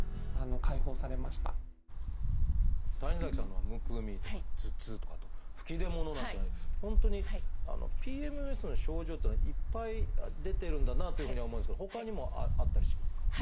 谷崎さんのはむくみとか頭痛とかあと吹き出物なんていうような本当にＰＭＳの症状っていうのはいっぱい出てるんだなというふうには思うんですけどほかにもあったりしますか？